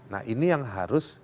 nah ini yang harus